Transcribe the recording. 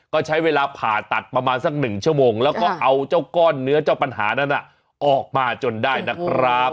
ก็ใช้เวลาผ่าตัดประมาณสัก๑ชั่วโมงแล้วก็เอาเจ้าก้อนเนื้อเจ้าปัญหานั้นออกมาจนได้นะครับ